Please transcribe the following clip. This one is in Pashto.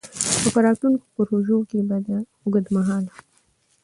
او په راتلونکو پروژو کي به د اوږدمهاله